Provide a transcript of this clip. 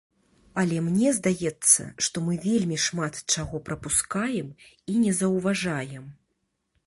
Але мне здаецца, што мы вельмі шмат чаго прапускаем і не заўважаем.